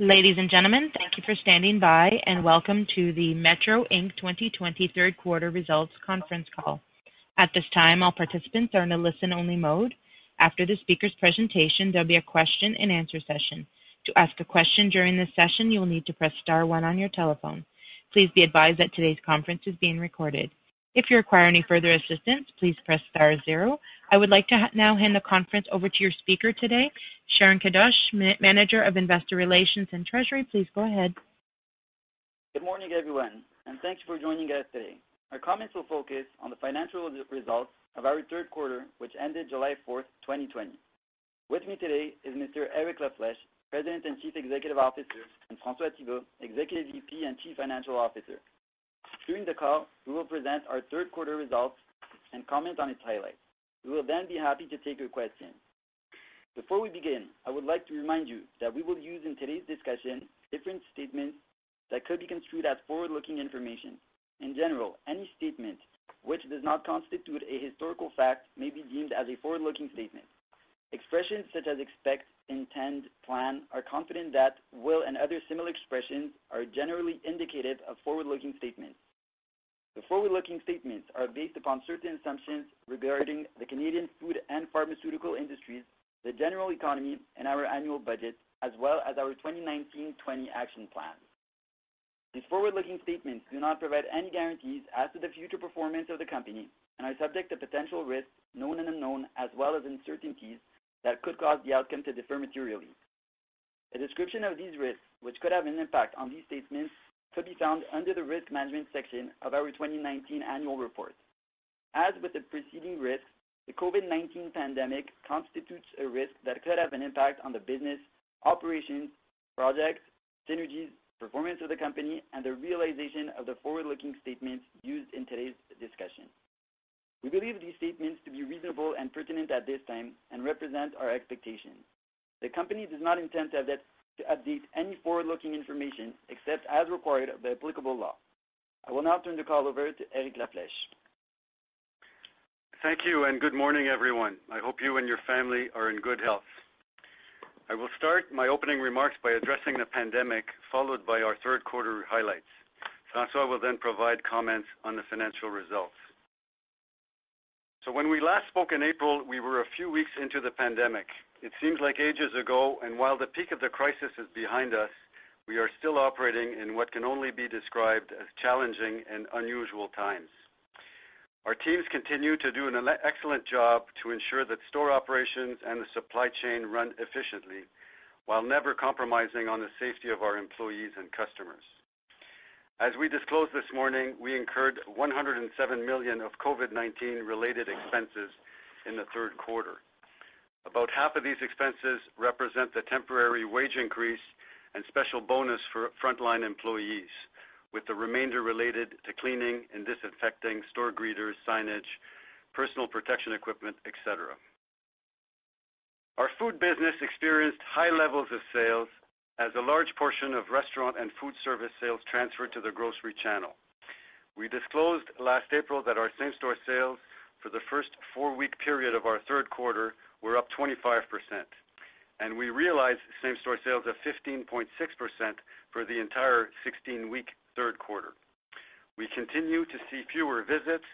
Ladies and gentlemen, thank you for standing by, and welcome to the Metro Inc. 2020 third quarter results conference call. At this time, all participants are in a listen-only mode. After the speaker's presentation, there will be a question and answer session. To ask a question during this session, you will need to press star 1 on your telephone. Please be advised that today's conference is being recorded. If you require any further assistance, please press star 0. I would like to now hand the conference over to your speaker today, Sharon Kadoche, Manager of Investor Relations and Treasury. Please go ahead. Good morning, everyone. Thanks for joining us today. Our comments will focus on the financial results of our third quarter, which ended July 4th, 2020. With me today is Mr. Eric La Flèche, President and Chief Executive Officer, and François Thibault, Executive VP and Chief Financial Officer. During the call, we will present our third quarter results and comment on its highlights. We will be happy to take your questions. Before we begin, I would like to remind you that we will use in today's discussion different statements that could be construed as forward-looking information. In general, any statement which does not constitute a historical fact may be deemed as a forward-looking statement. Expressions such as expect, intend, plan, are confident that, will, and other similar expressions are generally indicative of forward-looking statements. The forward-looking statements are based upon certain assumptions regarding the Canadian food and pharmaceutical industries, the general economy, and our annual budget, as well as our 2019-20 action plan. These forward-looking statements do not provide any guarantees as to the future performance of the company and are subject to potential risks, known and unknown, as well as uncertainties that could cause the outcome to differ materially. A description of these risks, which could have an impact on these statements, could be found under the risk management section of our 2019 annual report. As with the preceding risk, the COVID-19 pandemic constitutes a risk that could have an impact on the business operations, projects, synergies, performance of the company, and the realization of the forward-looking statements used in today's discussion. We believe these statements to be reasonable and pertinent at this time and represent our expectations. The company does not intend to update any forward-looking information except as required by applicable law. I will now turn the call over to Eric Laflèche. Thank you, good morning, everyone. I hope you and your family are in good health. I will start my opening remarks by addressing the pandemic, followed by our third quarter highlights. François will provide comments on the financial results. When we last spoke in April, we were a few weeks into the pandemic. It seems like ages ago, and while the peak of the crisis is behind us, we are still operating in what can only be described as challenging and unusual times. Our teams continue to do an excellent job to ensure that store operations and the supply chain run efficiently while never compromising on the safety of our employees and customers. As we disclosed this morning, we incurred 107 million of COVID-19 related expenses in the third quarter. About half of these expenses represent the temporary wage increase and special bonus for frontline employees, with the remainder related to cleaning and disinfecting store greeters, signage, personal protection equipment, et cetera. Our food business experienced high levels of sales as a large portion of restaurant and food service sales transferred to the grocery channel. We disclosed last April that our same-store sales for the first four-week period of our third quarter were up 25%, and we realized same-store sales of 15.6% for the entire 16-week third quarter. We continue to see fewer visits,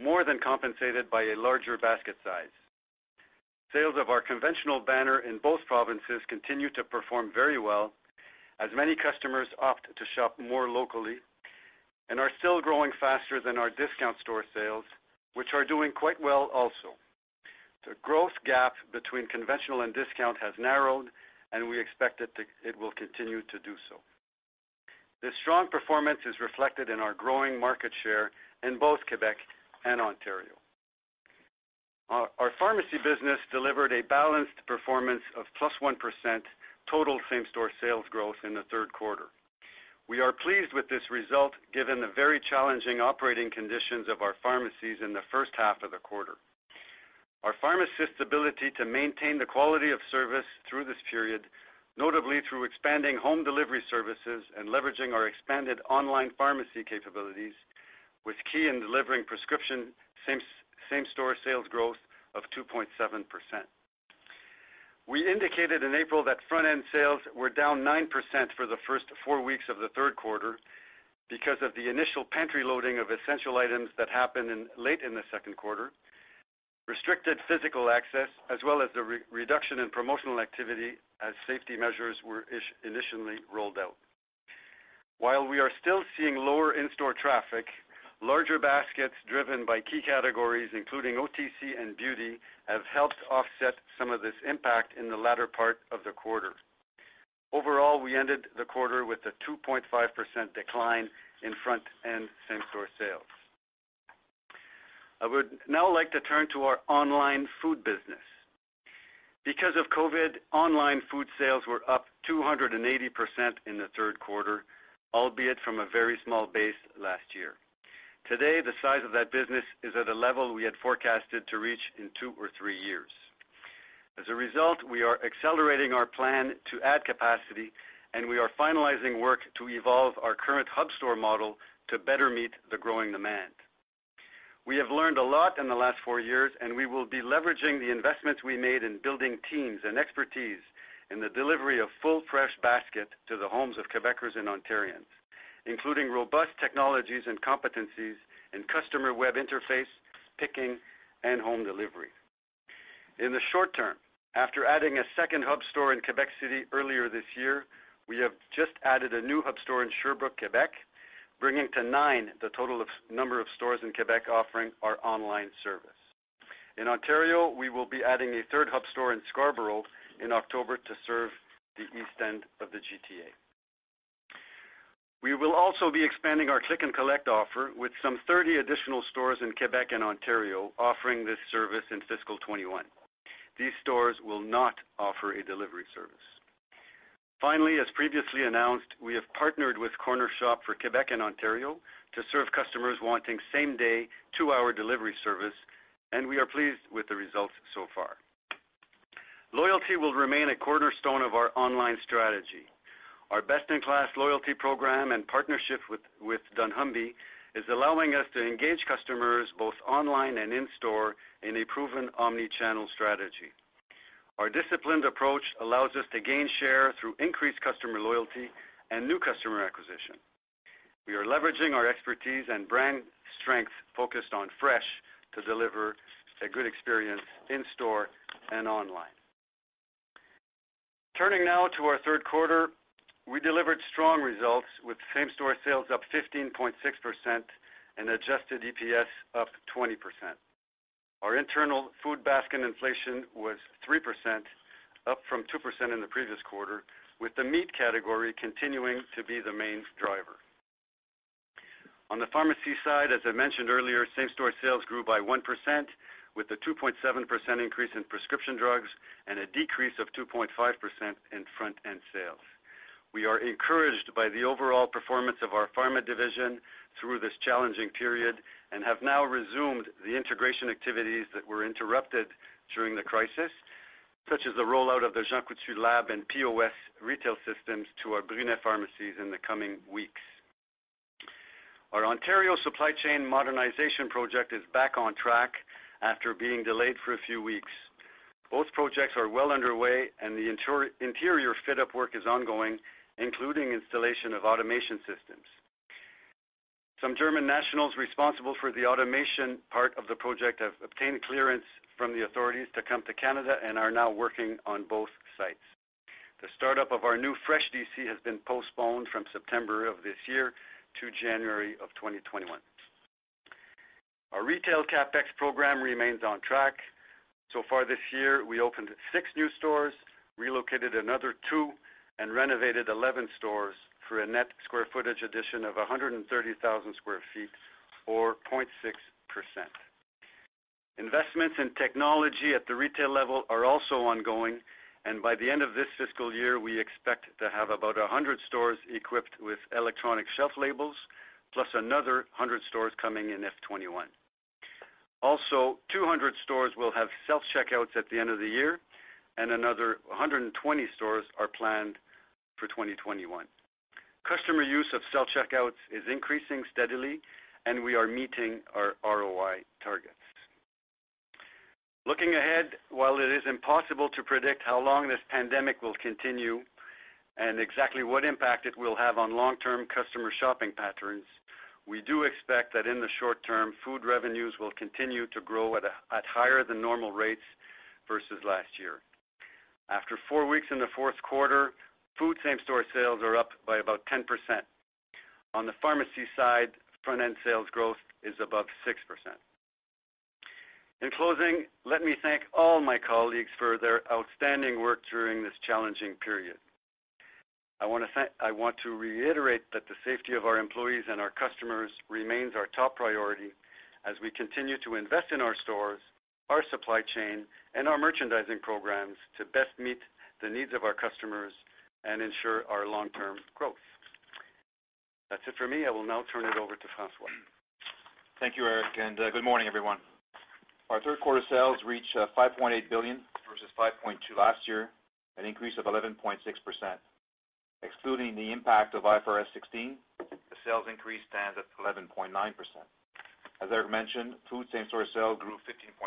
more than compensated by a larger basket size. Sales of our conventional banner in both provinces continue to perform very well, as many customers opt to shop more locally and are still growing faster than our discount store sales, which are doing quite well also. The growth gap between conventional and discount has narrowed, we expect it will continue to do so. This strong performance is reflected in our growing market share in both Quebec and Ontario. Our pharmacy business delivered a balanced performance of plus 1% total same-store sales growth in the third quarter. We are pleased with this result given the very challenging operating conditions of our pharmacies in the first half of the quarter. Our pharmacists' ability to maintain the quality of service through this period, notably through expanding home delivery services and leveraging our expanded online pharmacy capabilities, was key in delivering prescription same-store sales growth of 2.7%. We indicated in April that front-end sales were down 9% for the first four weeks of the third quarter because of the initial pantry loading of essential items that happened late in the second quarter, restricted physical access, as well as the reduction in promotional activity as safety measures were initially rolled out. While we are still seeing lower in-store traffic, larger baskets driven by key categories including OTC and beauty, have helped offset some of this impact in the latter part of the quarter. Overall, we ended the quarter with a 2.5% decline in front-end same-store sales. I would now like to turn to our online food business. Because of COVID, online food sales were up 280% in the third quarter, albeit from a very small base last year. Today, the size of that business is at a level we had forecasted to reach in two or three years. As a result, we are accelerating our plan to add capacity. We are finalizing work to evolve our current hub store model to better meet the growing demand. We have learned a lot in the last four years. We will be leveraging the investments we made in building teams and expertise in the delivery of full fresh basket to the homes of Quebecers and Ontarians, including robust technologies and competencies in customer web interface, picking, and home delivery. In the short term, after adding a second hub store in Quebec City earlier this year, we have just added a new hub store in Sherbrooke, Quebec, bringing to nine the total number of stores in Quebec offering our online service. In Ontario, we will be adding a third hub store in Scarborough in October to serve the east end of the GTA. We will also be expanding our click and collect offer, with some 30 additional stores in Quebec and Ontario offering this service in fiscal 2021. These stores will not offer a delivery service. Finally, as previously announced, we have partnered with Cornershop for Quebec and Ontario to serve customers wanting same-day, two-hour delivery service. We are pleased with the results so far. Loyalty will remain a cornerstone of our online strategy. Our best-in-class loyalty program and partnership with dunnhumby is allowing us to engage customers both online and in-store in a proven omni-channel strategy. Our disciplined approach allows us to gain share through increased customer loyalty and new customer acquisition. We are leveraging our expertise and brand strength focused on fresh to deliver a good experience in-store and online. Turning now to our third quarter, we delivered strong results with same-store sales up 15.6% and adjusted EPS up 20%. Our internal food basket inflation was 3%, up from 2% in the previous quarter, with the meat category continuing to be the main driver. On the pharmacy side, as I mentioned earlier, same-store sales grew by 1% with a 2.7% increase in prescription drugs and a decrease of 2.5% in front-end sales. We are encouraged by the overall performance of our pharma division through this challenging period and have now resumed the integration activities that were interrupted during the crisis, such as the rollout of the Jean Coutu Lab and POS retail systems to our Brunet pharmacies in the coming weeks. Our Ontario supply chain modernization project is back on track after being delayed for a few weeks. Both projects are well underway. The interior fit-up work is ongoing, including installation of automation systems. Some German nationals responsible for the automation part of the project have obtained clearance from the authorities to come to Canada and are now working on both sites. The startup of our new fresh DC has been postponed from September of this year to January of 2021. Our retail CapEx program remains on track. Far this year, we opened six new stores, relocated another two, and renovated 11 stores for a net square footage addition of 130,000 square feet, or 0.6%. Investments in technology at the retail level are also ongoing. By the end of this fiscal year, we expect to have about 100 stores equipped with electronic shelf labels, plus another 100 stores coming in FY 2021. 200 stores will have self-checkouts at the end of the year, and another 120 stores are planned for 2021. Customer use of self-checkouts is increasing steadily, and we are meeting our ROI targets. Looking ahead, while it is impossible to predict how long this pandemic will continue and exactly what impact it will have on long-term customer shopping patterns, we do expect that in the short term, food revenues will continue to grow at higher than normal rates versus last year. After four weeks in the fourth quarter, food same-store sales are up by about 10%. On the pharmacy side, front-end sales growth is above 6%. In closing, let me thank all my colleagues for their outstanding work during this challenging period. I want to reiterate that the safety of our employees and our customers remains our top priority as we continue to invest in our stores, our supply chain, and our merchandising programs to best meet the needs of our customers and ensure our long-term growth. That's it for me. I will now turn it over to François. Thank you, Eric, good morning, everyone. Our third quarter sales reached 5.8 billion versus 5.2 billion last year, an increase of 11.6%. Excluding the impact of IFRS 16, the sales increase stands at 11.9%. As Eric mentioned, food same-store sales grew 15.6%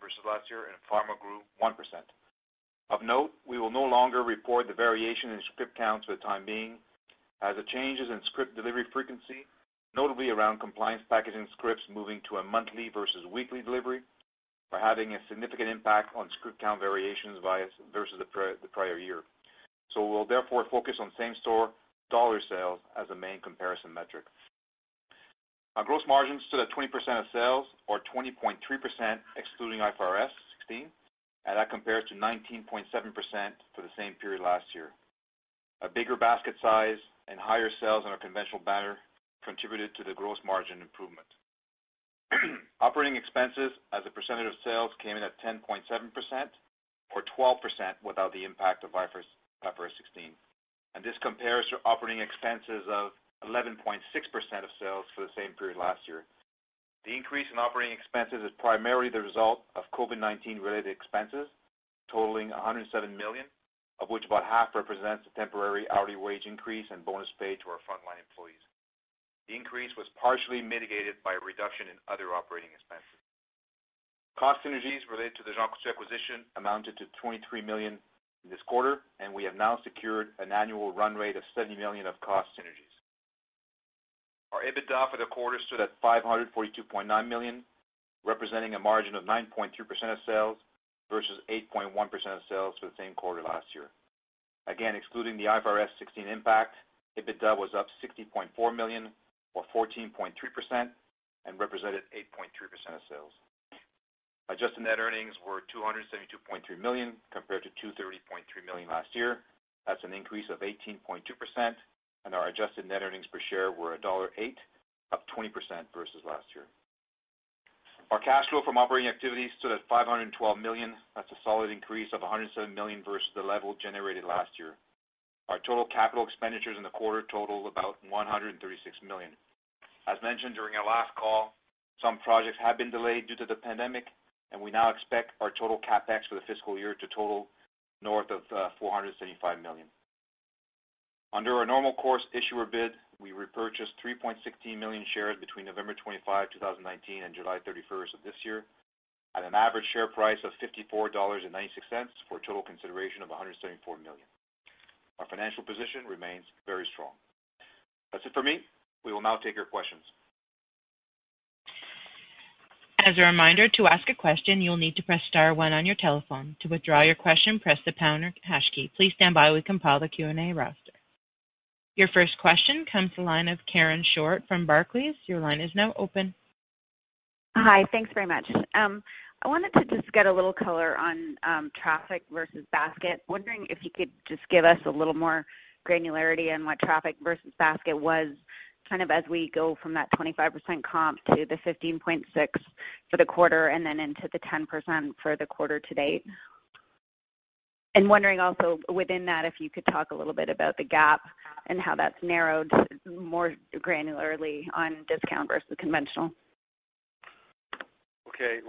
versus last year, and pharma grew 1%. Of note, we will no longer report the variation in script counts for the time being, as the changes in script delivery frequency, notably around compliance packaging scripts moving to a monthly versus weekly delivery, are having a significant impact on script count variations versus the prior year. We'll therefore focus on same-store dollar sales as a main comparison metric. Our gross margins stood at 20% of sales, or 20.3% excluding IFRS 16, and that compares to 19.7% for the same period last year. A bigger basket size and higher sales on a conventional banner contributed to the gross margin improvement. Operating expenses as a percentage of sales came in at 10.7%, or 12% without the impact of IFRS 16. This compares to operating expenses of 11.6% of sales for the same period last year. The increase in operating expenses is primarily the result of COVID-19 related expenses totaling 107 million, of which about half represents a temporary hourly wage increase and bonus pay to our frontline employees. The increase was partially mitigated by a reduction in other operating expenses. Cost synergies related to the Jean Coutu acquisition amounted to 23 million in this quarter. We have now secured an annual run rate of 70 million of cost synergies. Our EBITDA for the quarter stood at 542.9 million, representing a margin of 9.3% of sales versus 8.1% of sales for the same quarter last year. Again, excluding the IFRS 16 impact, EBITDA was up 60.4 million or 14.3% and represented 8.3% of sales. Adjusted net earnings were 272.3 million compared to 230.3 million last year. That's an increase of 18.2%, and our adjusted net earnings per share were dollar 1.08, up 20% versus last year. Our cash flow from operating activities stood at 512 million. That's a solid increase of 107 million versus the level generated last year. Our total capital expenditures in the quarter totaled about 136 million. As mentioned during our last call, some projects have been delayed due to the pandemic, and we now expect our total CapEx for the fiscal year to total north of 475 million. Under our normal course issuer bid, we repurchased 3.16 million shares between November 25, 2019, and July 31st of this year at an average share price of 54.96 dollars for a total consideration of 174 million. Our financial position remains very strong. That's it for me. We will now take your questions. As a reminder, to ask a question, you'll need to press star one on your telephone. To withdraw your question, press the pound or hash key. Please stand by. We compile the Q&A roster. Your first question comes the line of Karen Short from Barclays. Your line is now open. Hi. Thanks very much. I wanted to just get a little color on traffic versus basket. Wondering if you could just give us a little more granularity on what traffic versus basket was, kind of as we go from that 25% comp to the 15.6% for the quarter and then into the 10% for the quarter to date. Wondering also within that, if you could talk a little bit about the gap and how that's narrowed more granularly on discount versus conventional.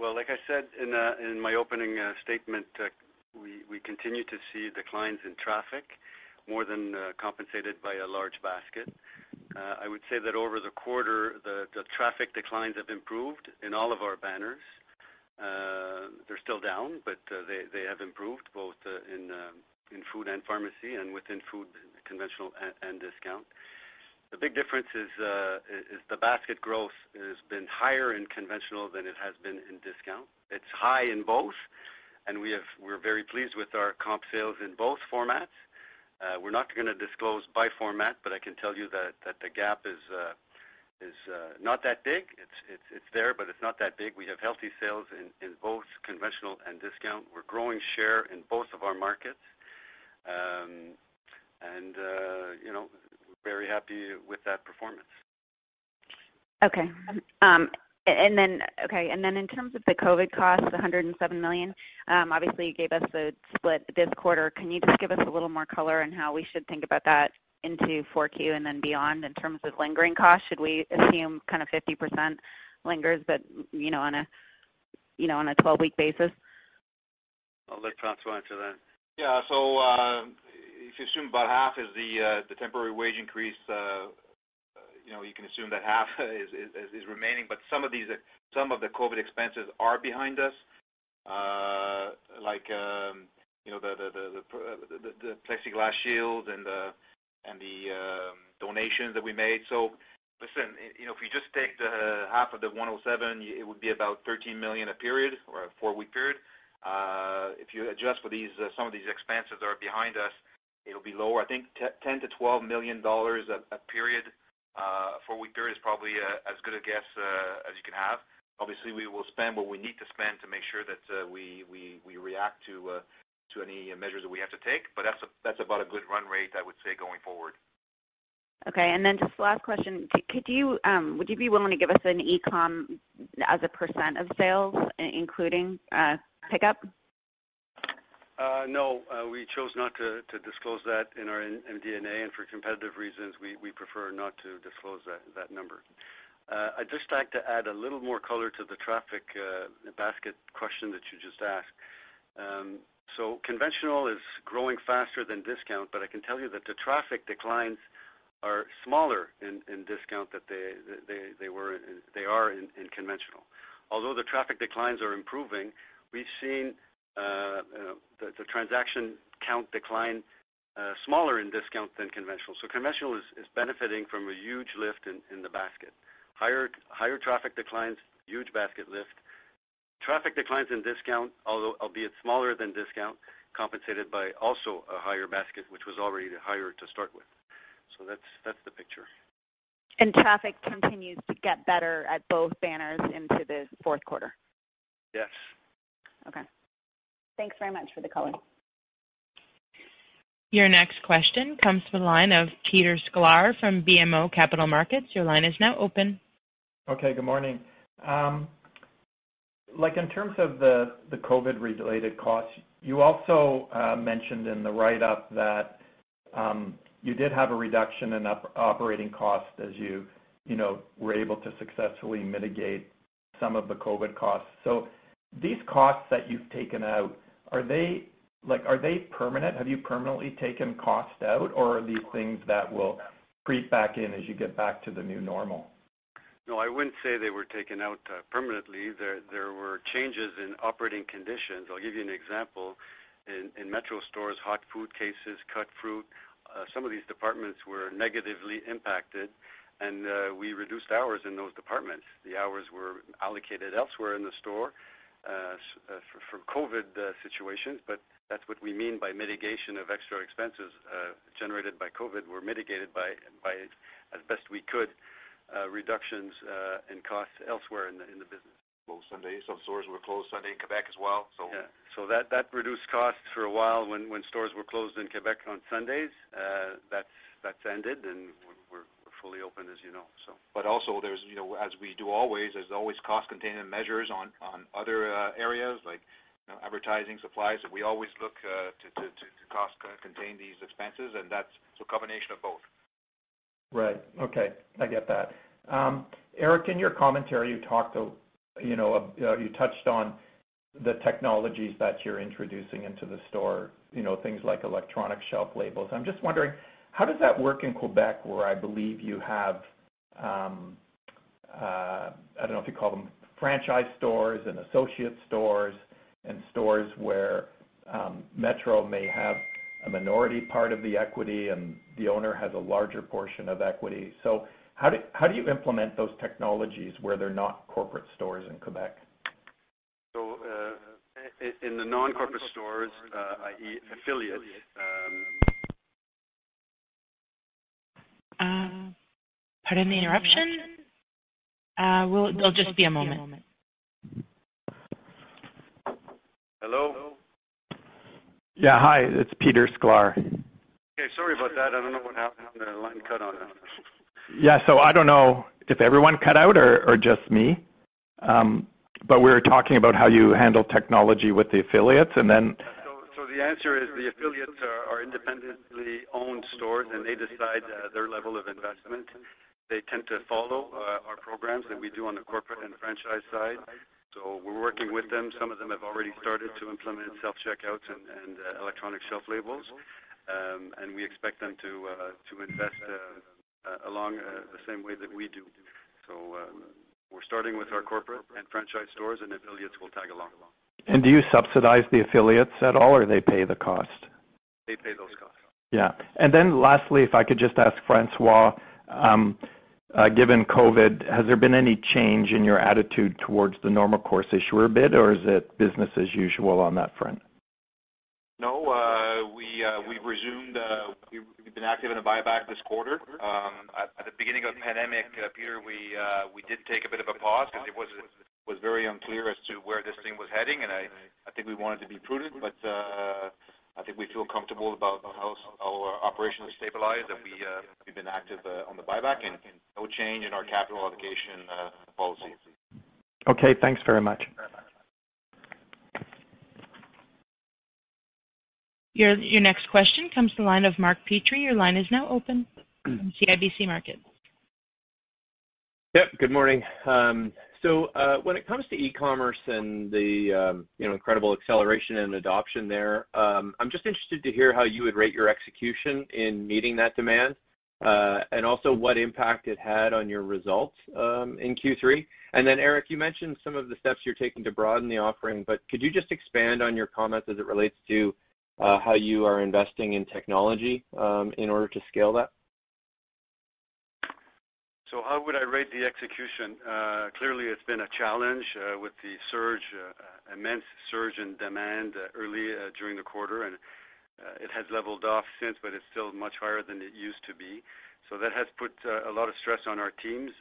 Well, like I said in my opening statement, we continue to see declines in traffic more than compensated by a large basket. I would say that over the quarter, the traffic declines have improved in all of our banners. They're still down, but they have improved both in food and pharmacy and within food, conventional and discount. The big difference is the basket growth has been higher in conventional than it has been in discount. It's high in both, and we're very pleased with our comp sales in both formats. We're not gonna disclose by format, but I can tell you that the gap is not that big. It's there, but it's not that big. We have healthy sales in both conventional and discount. We're growing share in both of our markets. We're very happy with that performance. Okay. In terms of the COVID costs, the 107 million, obviously you gave us the split this quarter. Can you just give us a little more color on how we should think about that into 4Q and then beyond in terms of lingering costs? Should we assume kind of 50% lingers, but on a 12-week basis? I'll let François answer that. Yeah. If you assume about half is the temporary wage increase, you can assume that half is remaining, but some of the COVID expenses are behind us. Like, the plexiglass shields and the donations that we made. Listen, if you just take the half of the 107, it would be about 13 million a period or a four-week period. If you adjust for some of these expenses that are behind us, it'll be lower. I think 10 million-12 million dollars a four-week period is probably as good a guess as you can have. Obviously, we will spend what we need to spend to make sure that we react to any measures that we have to take, but that's about a good run rate, I would say, going forward. Okay, just the last question, would you be willing to give us an e-com as a % of sales, including pickup? No. We chose not to disclose that in our MD&A, for competitive reasons, we prefer not to disclose that number. I'd just like to add a little more color to the traffic basket question that you just asked. Conventional is growing faster than discount, I can tell you that the traffic declines are smaller in discount than they are in conventional. Although the traffic declines are improving, we've seen the transaction count decline smaller in discount than conventional. Conventional is benefiting from a huge lift in the basket. Higher traffic declines, huge basket lift. Traffic declines in discount, albeit smaller than discount, compensated by also a higher basket, which was already higher to start with. That's the picture. Traffic continues to get better at both banners into the fourth quarter. Yes. Okay. Thanks very much for the color. Your next question comes from the line of Peter Sklar from BMO Capital Markets. Your line is now open. Okay, good morning. In terms of the COVID-related costs, you also mentioned in the write-up that you did have a reduction in operating costs as you were able to successfully mitigate some of the COVID costs. These costs that you've taken out, are they permanent? Have you permanently taken costs out, or are these things that will creep back in as you get back to the new normal? No, I wouldn't say they were taken out permanently. There were changes in operating conditions. I'll give you an example. In Metro stores, hot food cases, cut fruit, some of these departments were negatively impacted, and we reduced hours in those departments. The hours were allocated elsewhere in the store for COVID situations. That's what we mean by mitigation of extra expenses generated by COVID were mitigated by, as best we could, reductions in costs elsewhere in the business. Well, some stores were closed Sunday in Quebec as well. Yeah. That reduced costs for a while when stores were closed in Quebec on Sundays. That's ended and we're fully open, as you know. as we do always, there's always cost containment measures on other areas like advertising, supplies, that we always look to cost contain these expenses, and that's a combination of both. Right. Okay. I get that. Eric, in your commentary, you touched on the technologies that you're introducing into the store, things like electronic shelf labels. I'm just wondering, how does that work in Quebec, where I believe you have, I don't know if you call them franchise stores and associate stores, and stores where Metro may have a minority part of the equity and the owner has a larger portion of equity. How do you implement those technologies where they're not corporate stores in Quebec? in the non-corporate stores, i.e., affiliates Pardon the interruption. It'll just be a moment. Hello? Hi, it's Peter Sklar. Sorry about that. I don't know what happened. The line cut on us. I don't know if everyone cut out or just me, but we were talking about how you handle technology with the affiliates. The answer is the affiliates are independently owned stores, and they decide their level of investment. They tend to follow our programs that we do on the corporate and franchise side. We're working with them. Some of them have already started to implement self-checkouts and electronic shelf labels. We expect them to invest along the same way that we do. We're starting with our corporate and franchise stores, and affiliates will tag along. Do you subsidize the affiliates at all, or they pay the cost? They pay those costs. Yeah. Lastly, if I could just ask François, given COVID, has there been any change in your attitude towards the normal course issuer bid, or is it business as usual on that front? No, we've been active in the buyback this quarter. At the beginning of the pandemic, Peter, we did take a bit of a pause because it was very unclear as to where this thing was heading, and I think we wanted to be prudent, but I think we feel comfortable about how our operations stabilized, and we've been active on the buyback and no change in our capital allocation policy. Okay, thanks very much. Your next question comes to the line of Mark Petrie. Your line is now open, CIBC Markets. Yep. Good morning. When it comes to e-commerce and the incredible acceleration and adoption there, I'm just interested to hear how you would rate your execution in meeting that demand, and also what impact it had on your results in Q3. Eric, you mentioned some of the steps you're taking to broaden the offering, but could you just expand on your comments as it relates to how you are investing in technology in order to scale that? How would I rate the execution? Clearly, it's been a challenge with the immense surge in demand early during the quarter, and it has leveled off since, but it's still much higher than it used to be. That has put a lot of stress on our teams,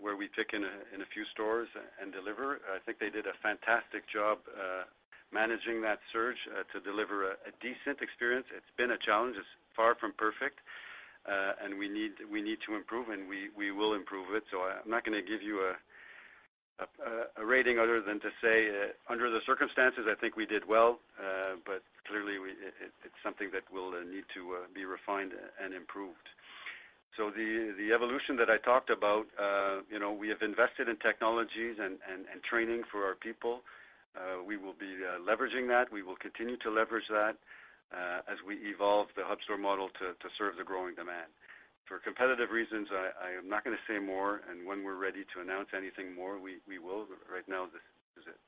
where we pick in a few stores and deliver. I think they did a fantastic job managing that surge to deliver a decent experience. It's been a challenge. It's far from perfect. We need to improve, and we will improve it. I'm not going to give you a rating other than to say, under the circumstances, I think we did well, but clearly it's something that will need to be refined and improved. The evolution that I talked about, we have invested in technologies and training for our people. We will be leveraging that. We will continue to leverage that as we evolve the hub store model to serve the growing demand. For competitive reasons, I am not going to say more, and when we're ready to announce anything more, we will. Right now, this is it.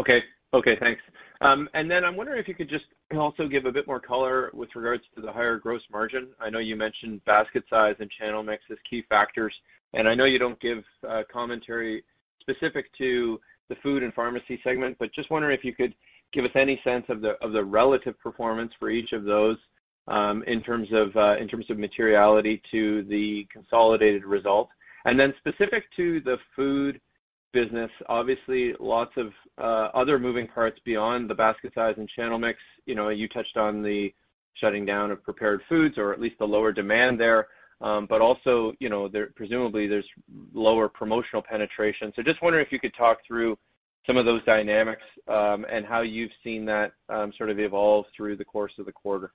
Okay. Thanks. I'm wondering if you could just also give a bit more color with regards to the higher gross margin. I know you mentioned basket size and channel mix as key factors, and I know you don't give commentary specific to the food and pharmacy segment, but just wondering if you could give us any sense of the relative performance for each of those in terms of materiality to the consolidated result. Then specific to the food business, obviously lots of other moving parts beyond the basket size and channel mix. You touched on the shutting down of prepared foods, or at least the lower demand there. Also, presumably, there's lower promotional penetration. Just wondering if you could talk through some of those dynamics, and how you've seen that sort of evolve through the course of the quarter.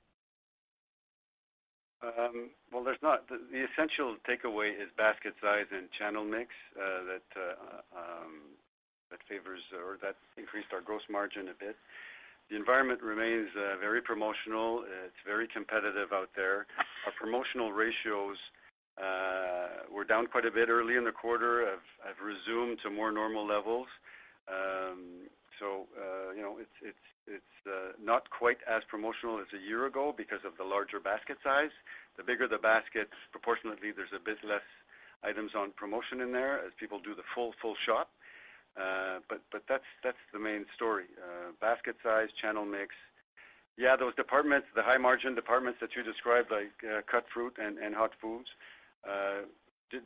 Well, the essential takeaway is basket size and channel mix that increased our gross margin a bit. The environment remains very promotional. It's very competitive out there. Our promotional ratios were down quite a bit early in the quarter, have resumed to more normal levels. It's not quite as promotional as a year ago because of the larger basket size. The bigger the basket, proportionately, there's a bit less items on promotion in there as people do the full shop. That's the main story. Basket size, channel mix. Yeah, those departments, the high margin departments that you described, like cut fruit and hot foods,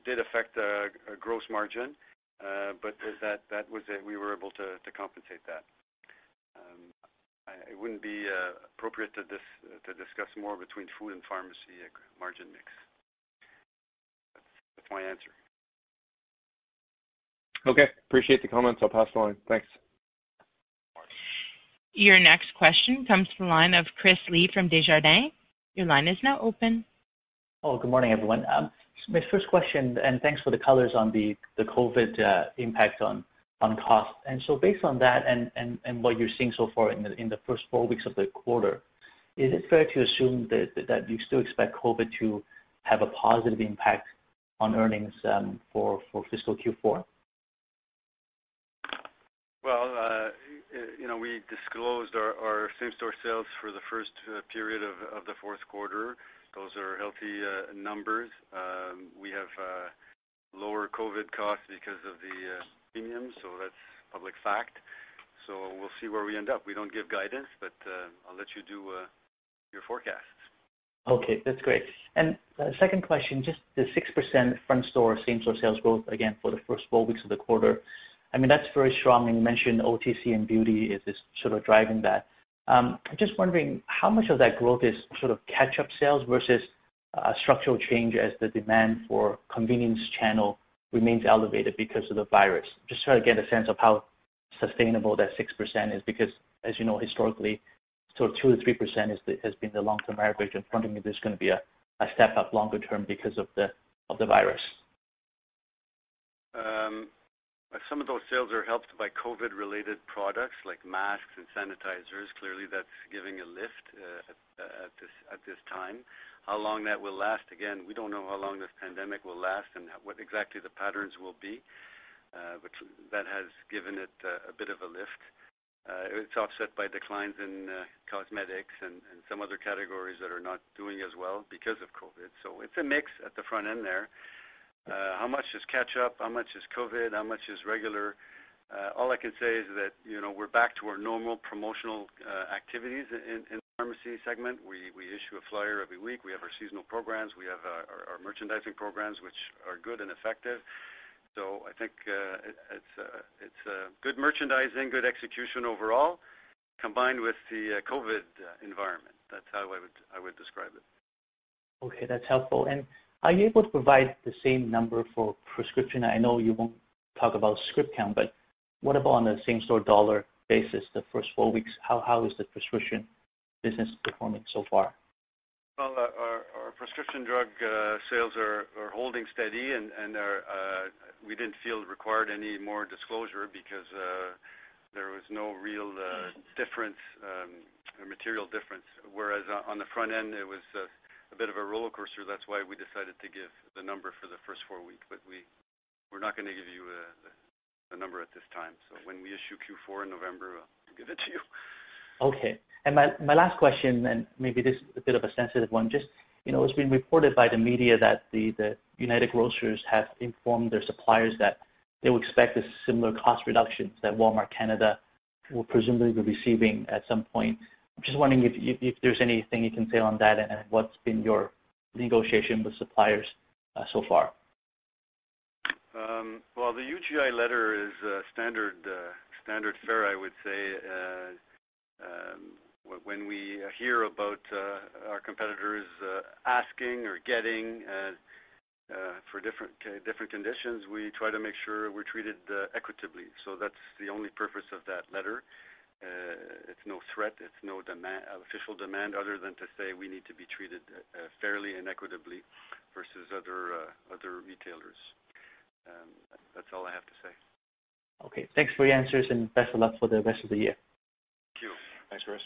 did affect our gross margin. We were able to compensate that. It wouldn't be appropriate to discuss more between food and pharmacy margin mix. That's my answer. Okay. Appreciate the comments. I'll pass along. Thanks. Your next question comes from the line of Chris Li from Desjardins. Your line is now open. Oh, good morning, everyone. My first question, thanks for the colors on the COVID impact on cost. Based on that and what you're seeing so far in the first four weeks of the quarter, is it fair to assume that you still expect COVID to have a positive impact on earnings for fiscal Q4? Well, we disclosed our same-store sales for the first period of the fourth quarter. Those are healthy numbers. We have lower COVID costs because of the premium, that's public fact. We'll see where we end up. We don't give guidance, I'll let you do your forecasts. Okay. That's great. Second question, just the 6% front store same-store sales growth, again, for the first four weeks of the quarter. I mean, that's very strong, you mentioned OTC and beauty is just sort of driving that. I'm just wondering how much of that growth is sort of catch-up sales versus a structural change as the demand for convenience channel remains elevated because of the virus. Just trying to get a sense of how sustainable that 6% is, as you know, historically, sort of 2%-3% has been the long-term average in front of me. There's going to be a step up longer term because of the virus. Some of those sales are helped by COVID-related products like masks and sanitizers. Clearly, that's giving a lift at this time. How long that will last, again, we don't know how long this pandemic will last and what exactly the patterns will be. That has given it a bit of a lift. It's offset by declines in cosmetics and some other categories that are not doing as well because of COVID. It's a mix at the front end there. How much is catch-up? How much is COVID? How much is regular? All I can say is that we're back to our normal promotional activities in the pharmacy segment. We issue a flyer every week. We have our seasonal programs, we have our merchandising programs, which are good and effective. I think it's good merchandising, good execution overall, combined with the COVID environment. That's how I would describe it. Okay, that's helpful. Are you able to provide the same number for prescription? I know you won't talk about script count, what about on the same store dollar basis, the first four weeks, how is the prescription business performing so far? Well, our prescription drug sales are holding steady. We didn't feel it required any more disclosure because there was no real material difference, whereas on the front end it was a bit of a rollercoaster. That's why we decided to give the number for the first four weeks. We're not going to give you a number at this time. When we issue Q4 in November, I'll give it to you. Okay. My last question then, maybe this is a bit of a sensitive one. It's been reported by the media that the United Grocers have informed their suppliers that they would expect a similar cost reduction that Walmart Canada will presumably be receiving at some point. I'm just wondering if there's anything you can say on that and what's been your negotiation with suppliers so far? Well, the UGI letter is standard fare, I would say. When we hear about our competitors asking or getting for different conditions, we try to make sure we're treated equitably. That's the only purpose of that letter. It's no threat. It's no official demand other than to say we need to be treated fairly and equitably versus other retailers. That's all I have to say. Okay. Thanks for your answers and best of luck for the rest of the year. Thank you. Thanks, Chris.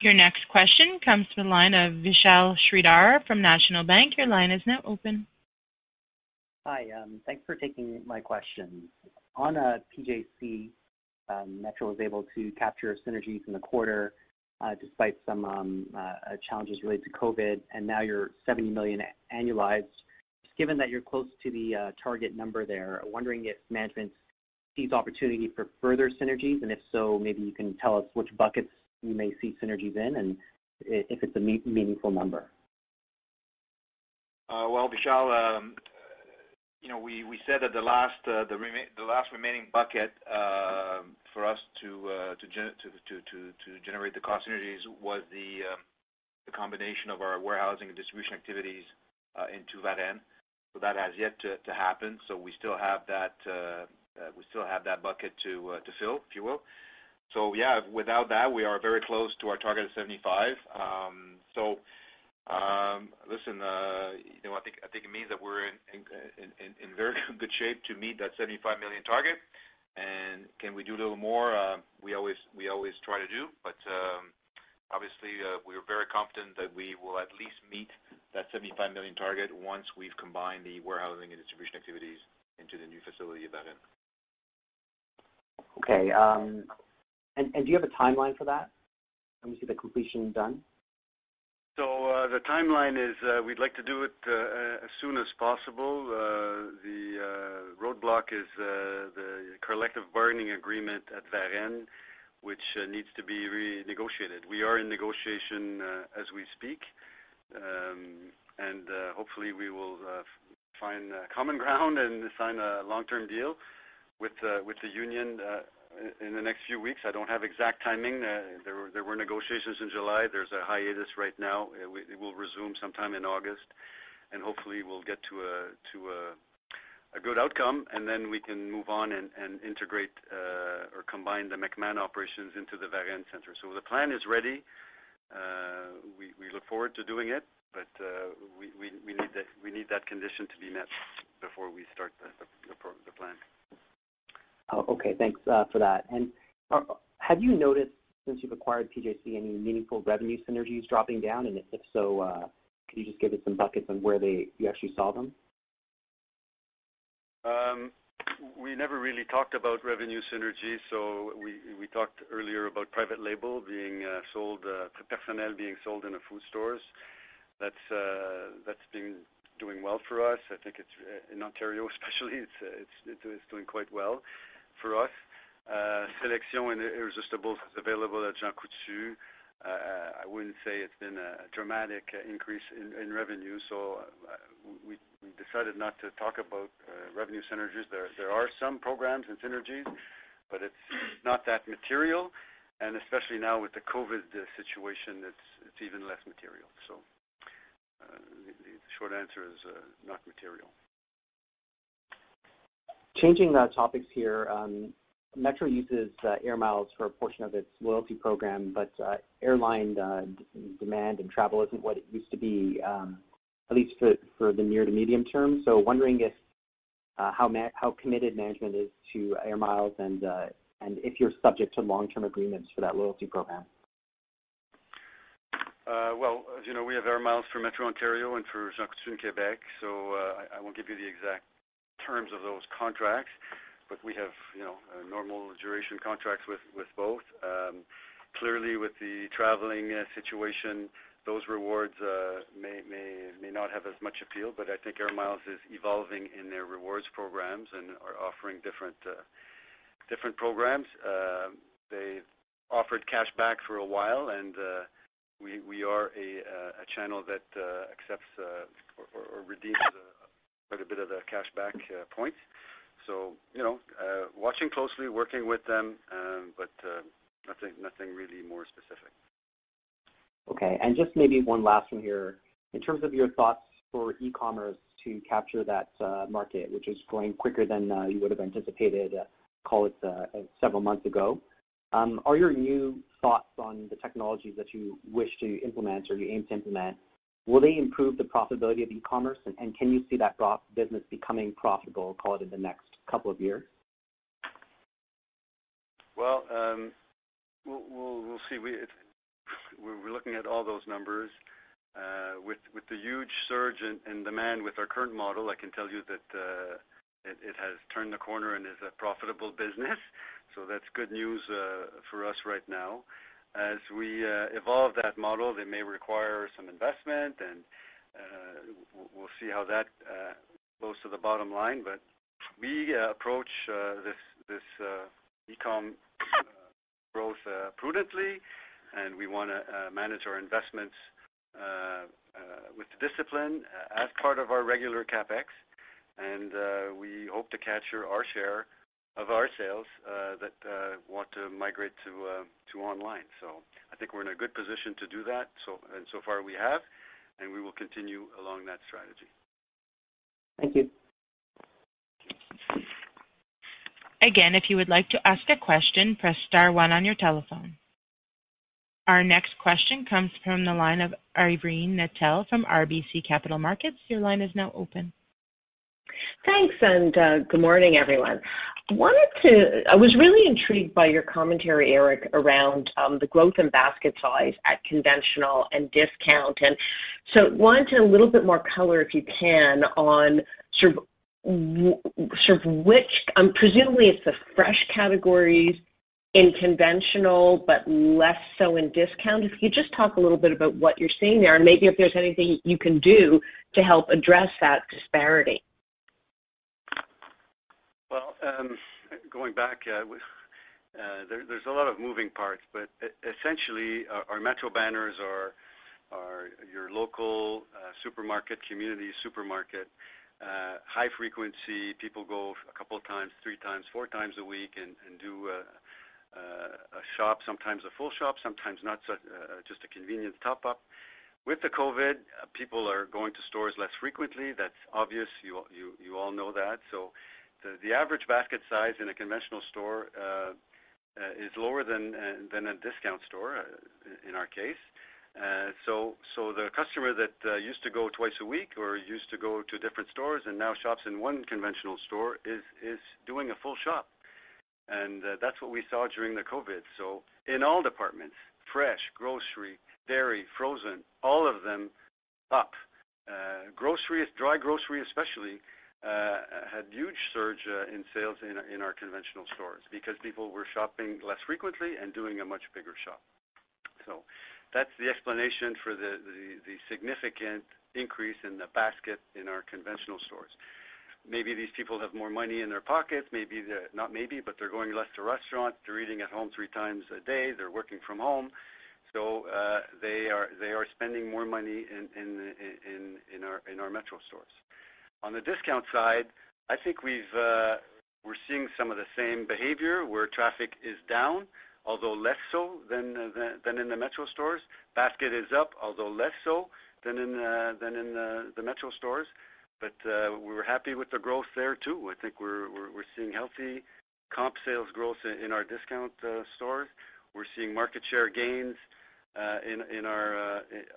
Your next question comes from the line of Vishal Shreedhar from National Bank. Your line is now open. Hi. Thanks for taking my questions. On PJC, Metro was able to capture synergies in the quarter despite some challenges related to COVID, and now you're 70 million annualized. Given that you're close to the target number there, I'm wondering if management sees opportunity for further synergies, and if so, maybe you can tell us which buckets you may see synergies in, and if it's a meaningful number? Well, Vishal, we said that the last remaining bucket for us to generate the cost synergies was the combination of our warehousing and distribution activities into Varennes. That has yet to happen. We still have that bucket to fill, if you will. Yeah, without that, we are very close to our target of 75 million. Listen, I think it means that we're in very good shape to meet that 75 million target. Can we do a little more? We always try to do, but obviously, we are very confident that we will at least meet that 75 million target once we've combined the warehousing and distribution activities into the new facility at Varennes. Okay. Do you have a timeline for that, when we see the completion done? The timeline is, we'd like to do it as soon as possible. The roadblock is the collective bargaining agreement at Varennes, which needs to be renegotiated. We are in negotiation as we speak, hopefully we will find common ground and sign a long-term deal with the union in the next few weeks. I don't have exact timing. There were negotiations in July. There's a hiatus right now. It will resume sometime in August, hopefully we'll get to a good outcome, we can move on and integrate or combine the McMahon operations into the Varennes center. The plan is ready. We look forward to doing it, but we need that condition to be met before we start the plan. Okay, thanks for that. Have you noticed since you've acquired PJC, any meaningful revenue synergies dropping down? If so, can you just give us some buckets on where you actually saw them? We never really talked about revenue synergies. We talked earlier about private label, Personnelle being sold in the food stores. That's been doing well for us. I think in Ontario especially, it's doing quite well for us. Selection and Irresistibles is available at Jean Coutu. I wouldn't say it's been a dramatic increase in revenue, so we decided not to talk about revenue synergies. There are some programs and synergies, but it's not that material. Especially now with the COVID situation, it's even less material. The short answer is not material. Changing topics here, Metro uses Air Miles for a portion of its loyalty program, but airline demand and travel isn't what it used to be, at least for the near to medium term. Wondering how committed management is to Air Miles and if you're subject to long-term agreements for that loyalty program. Well, as you know, we have Air Miles for Metro Ontario and for Jean Coutu in Quebec. I won't give you the exact terms of those contracts, but we have normal duration contracts with both. Clearly, with the traveling situation, those rewards may not have as much appeal. I think Air Miles is evolving in their rewards programs and are offering different programs. They offered cash back for a while. We are a channel that accepts or redeems quite a bit of the cash back points. Watching closely, working with them, but nothing really more specific. Okay, just maybe one last one here. In terms of your thoughts for e-commerce to capture that market, which is growing quicker than you would have anticipated, call it several months ago, are your new thoughts on the technologies that you wish to implement or you aim to implement, will they improve the profitability of e-commerce? Can you see that business becoming profitable, call it in the next couple of years? Well, we'll see. We're looking at all those numbers. With the huge surge in demand with our current model, I can tell you that it has turned the corner and is a profitable business. That's good news for us right now. As we evolve that model, they may require some investment. We'll see how that goes to the bottom line. We approach this e-com growth prudently. We want to manage our investments with discipline as part of our regular CapEx. We hope to capture our share of our sales that want to migrate to online. I think we're in a good position to do that. So far, we have. We will continue along that strategy. Thank you. If you would like to ask a question, press star one on your telephone. Our next question comes from the line of Irene Nattel from RBC Capital Markets. Your line is now open. Thanks, good morning, everyone. I was really intrigued by your commentary, Eric, around the growth in basket size at conventional and discount, wanted a little bit more color, if you can, on sort of presumably it's the fresh categories in conventional, but less so in discount. If you could just talk a little bit about what you're seeing there and maybe if there's anything you can do to help address that disparity. Going back, there's a lot of moving parts, essentially, our Metro banners are your local supermarket, community supermarket, high frequency. People go a couple of times, three times, four times a week and do a shop, sometimes a full shop, sometimes not, just a convenience top up. With the COVID, people are going to stores less frequently. That's obvious. You all know that. The average basket size in a conventional store is lower than a discount store, in our case. The customer that used to go twice a week or used to go to different stores now shops in one conventional store is doing a full shop, that's what we saw during the COVID. In all departments, fresh, grocery, dairy, frozen, all of them up. Dry grocery especially, had huge surge in sales in our conventional stores because people were shopping less frequently and doing a much bigger shop. That's the explanation for the significant increase in the basket in our conventional stores. Maybe these people have more money in their pockets, not maybe, but they're going less to restaurants. They're eating at home three times a day. They're working from home. They are spending more money in our Metro stores. On the discount side, I think we're seeing some of the same behavior where traffic is down, although less so than in the Metro stores. Basket is up, although less so than in the Metro stores, but we're happy with the growth there, too. I think we're seeing healthy comp sales growth in our discount stores. We're seeing market share gains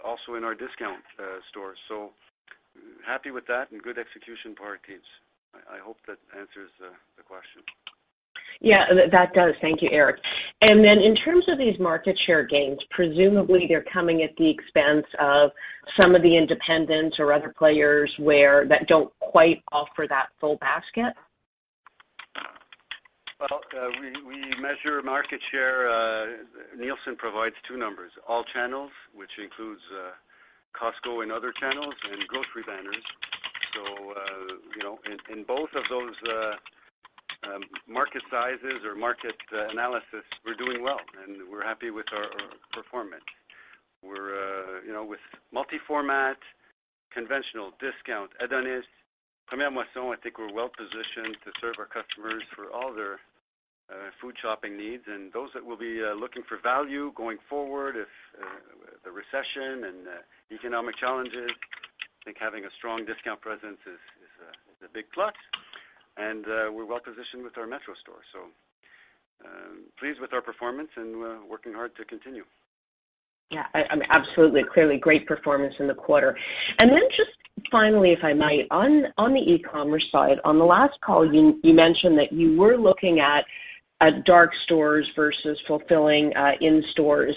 also in our discount stores. Happy with that and good execution by our teams. I hope that answers the question. Yeah, that does. Thank you, Eric. In terms of these market share gains, presumably they're coming at the expense of some of the independents or other players that don't quite offer that full basket? Well, we measure market share. Nielsen provides two numbers, all channels, which includes Costco and other channels, and grocery banners. In both of those market sizes or market analysis, we're doing well, and we're happy with our performance. With multi-format, conventional discount, I think we're well-positioned to serve our customers for all their food shopping needs and those that will be looking for value going forward if the recession and economic challenges, I think having a strong discount presence is a big plus. We're well-positioned with our Metro stores, pleased with our performance and working hard to continue. Yeah, absolutely. Clearly great performance in the quarter. Just finally, if I might, on the e-commerce side, on the last call, you mentioned that you were looking at dark stores versus fulfilling in-stores.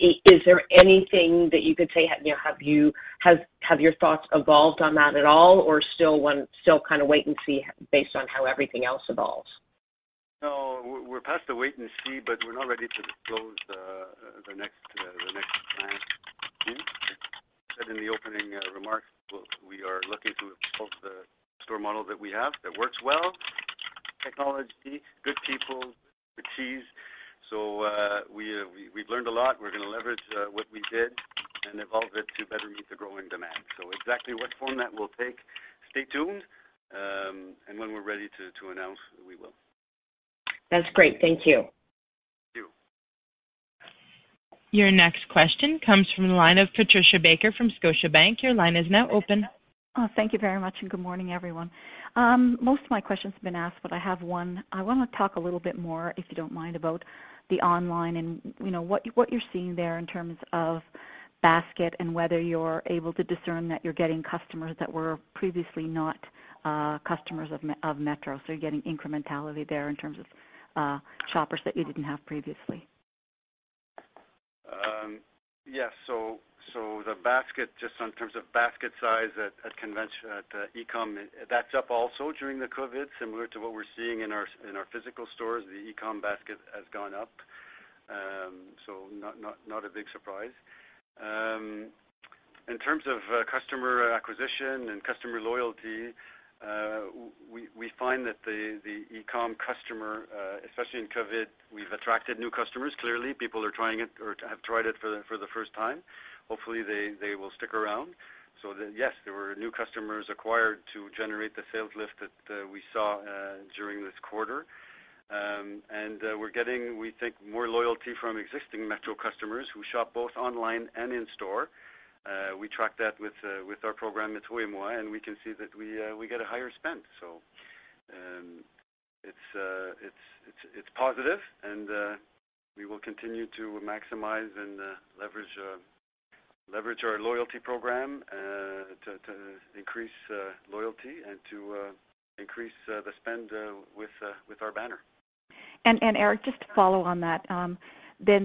Is there anything that you could say? Have your thoughts evolved on that at all or still kind of wait and see based on how everything else evolves? No, we're past the wait and see, we're not ready to disclose the next plan. In the opening remarks, we are looking to evolve the store model that we have that works well, technology, good people, good teams. We've learned a lot. We're going to leverage what we did and evolve it to better meet the growing demand. Exactly what format we'll take, stay tuned, when we're ready to announce, we will. That's great. Thank you. Thank you. Your next question comes from the line of Patricia Baker from Scotiabank. Your line is now open. Thank you very much. Good morning, everyone. Most of my questions have been asked, but I have one. I want to talk a little bit more, if you don't mind, about the online and what you're seeing there in terms of basket and whether you're able to discern that you're getting customers that were previously not customers of Metro. You're getting incrementality there in terms of shoppers that you didn't have previously. Yes. Just in terms of basket size at e-com, that's up also during the COVID, similar to what we're seeing in our physical stores. The e-com basket has gone up, not a big surprise. In terms of customer acquisition and customer loyalty, we find that the e-com customer, especially in COVID, we've attracted new customers, clearly. People have tried it for the first time. Hopefully, they will stick around. Yes, there were new customers acquired to generate the sales lift that we saw during this quarter. We're getting, we think, more loyalty from existing Metro customers who shop both online and in-store. We track that with our program at and we can see that we get a higher spend. It's positive, we will continue to maximize and leverage our loyalty program to increase loyalty and to increase the spend with our banner. Eric, just to follow on that,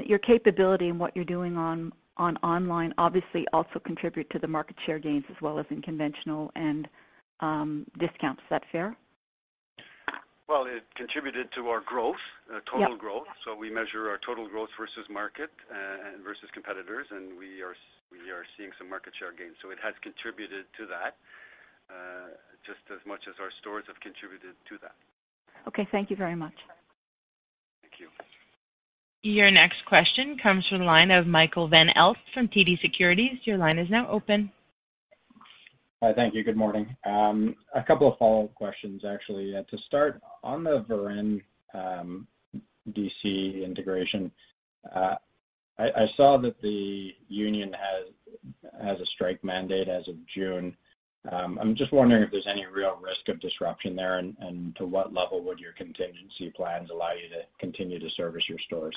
your capability and what you're doing on online obviously also contribute to the market share gains as well as in conventional and discounts. Is that fair? Well, it contributed to our total growth. Yep. We measure our total growth versus market and versus competitors, and we are seeing some market share gains. It has contributed to that, just as much as our stores have contributed to that. Okay. Thank you very much. Your next question comes from the line of Michael Van Aelst from TD Securities. Your line is now open. Hi. Thank you. Good morning. A couple of follow-up questions, actually. To start, on the Varennes DC integration, I saw that the union has a strike mandate as of June. I'm just wondering if there's any real risk of disruption there, and to what level would your contingency plans allow you to continue to service your stores?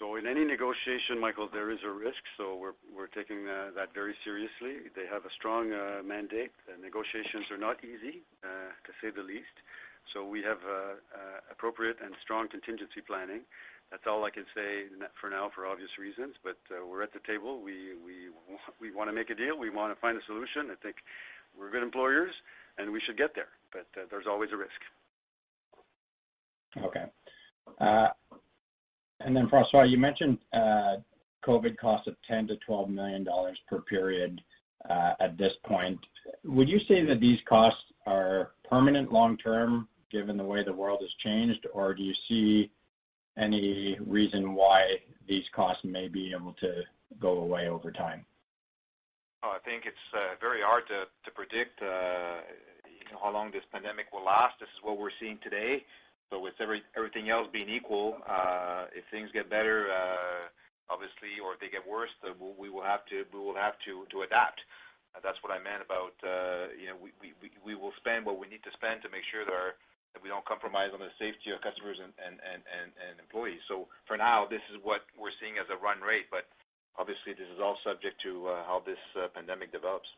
In any negotiation, Michael, there is a risk. We're taking that very seriously. They have a strong mandate. The negotiations are not easy, to say the least. We have appropriate and strong contingency planning. That's all I can say for now, for obvious reasons. We're at the table. We want to make a deal. We want to find a solution. I think we're good employers, and we should get there. There's always a risk. Okay. François, you mentioned COVID costs of 10 million-12 million dollars per period at this point. Would you say that these costs are permanent long term, given the way the world has changed? Do you see any reason why these costs may be able to go away over time? I think it's very hard to predict how long this pandemic will last. This is what we're seeing today. With everything else being equal, if things get better, obviously, or if they get worse, we will have to adapt. That's what I meant about we will spend what we need to spend to make sure that we don't compromise on the safety of customers and employees. For now, this is what we're seeing as a run rate, but obviously, this is all subject to how this pandemic develops.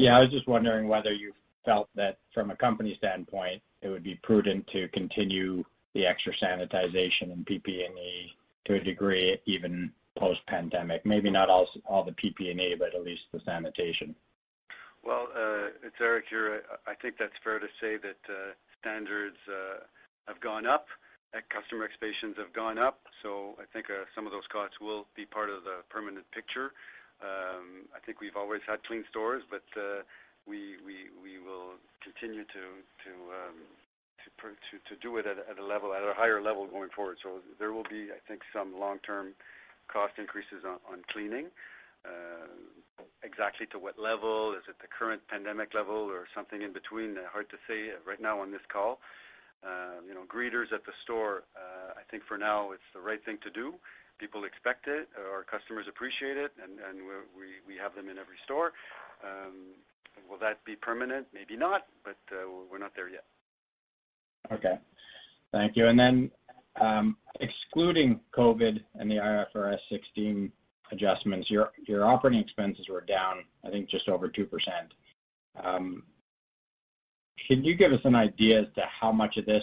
I was just wondering whether you felt that from a company standpoint, it would be prudent to continue the extra sanitization and PPE to a degree, even post-pandemic. Maybe not all the PPE, but at least the sanitation. It's Eric here. I think that's fair to say that standards have gone up, and customer expectations have gone up. I think some of those costs will be part of the permanent picture. I think we've always had clean stores, but we will continue to do it at a higher level going forward. There will be, I think, some long-term cost increases on cleaning. Exactly to what level, is it the current pandemic level or something in between? Hard to say right now on this call. Greeters at the store, I think for now it's the right thing to do. People expect it, our customers appreciate it, and we have them in every store. Will that be permanent? Maybe not, but we're not there yet. Okay. Thank you. Excluding COVID and the IFRS 16 adjustments, your operating expenses were down, I think, just over 2%. Can you give us an idea as to how much of this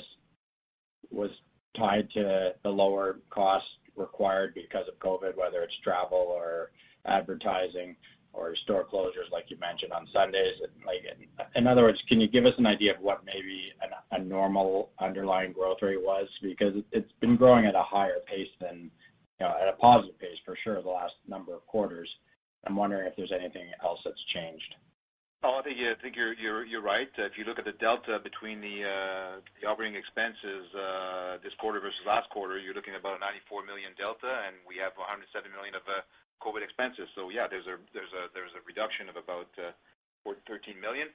was tied to the lower cost required because of COVID, whether it's travel or advertising or store closures like you mentioned on Sundays? In other words, can you give us an idea of what maybe a normal underlying growth rate was? Because it's been growing at a higher pace than at a positive pace for sure the last number of quarters. I'm wondering if there's anything else that's changed. I think you're right. If you look at the delta between the operating expenses this quarter versus last quarter, you're looking at about a 94 million delta, and we have 107 million of COVID expenses. Yeah, there's a reduction of about 13 million.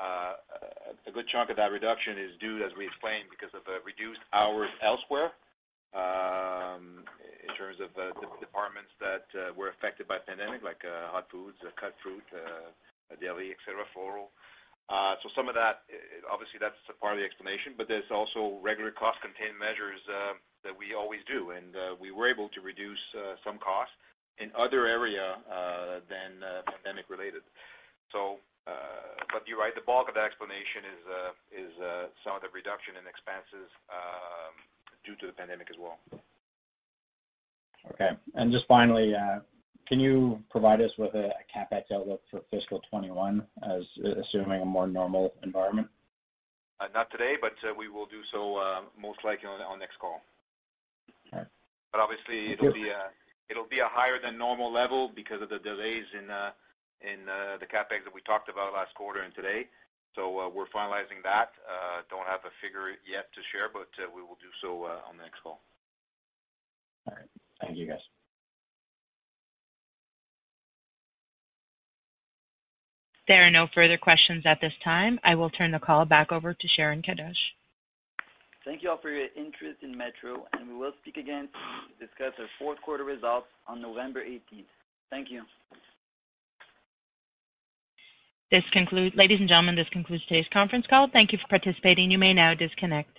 A good chunk of that reduction is due, as we explained, because of reduced hours elsewhere in terms of the departments that were affected by the pandemic, like hot foods, cut fruit, deli, et cetera, floral. Some of that, obviously, that's a part of the explanation, but there's also regular cost-contain measures that we always do. We were able to reduce some costs in other area than pandemic-related. You're right, the bulk of the explanation is some of the reduction in expenses due to the pandemic as well. Okay. Just finally, can you provide us with a CapEx outlook for fiscal 2021, assuming a more normal environment? Not today, but we will do so most likely on next call. All right. Obviously it'll be a higher than normal level because of the delays in the CapEx that we talked about last quarter and today. We're finalizing that. Don't have a figure yet to share, but we will do so on the next call. All right. Thank you, guys. There are no further questions at this time. I will turn the call back over to Sharon Kadoche. Thank you all for your interest in Metro, and we will speak again to discuss our fourth quarter results on November 18th. Thank you. Ladies and gentlemen, this concludes today's conference call. Thank you for participating. You may now disconnect.